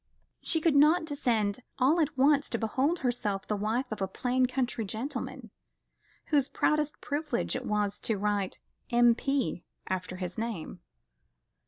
She could not descend all at once to behold herself the wife of a plain country gentleman, whose proudest privilege it was to write M.P. after his name.